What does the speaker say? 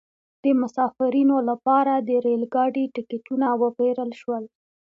د مسافرینو لپاره د ریل ګاډي ټکټونه وپیرل شول.